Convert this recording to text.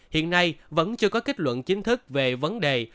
hiện nay vẫn chưa có kết luận chính thức về vấn đề